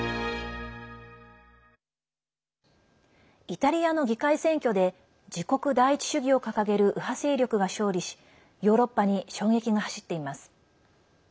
イタリアの議会選挙で自国第一主義を掲げる右派勢力が勝利しヨーロッパに衝撃が走っています。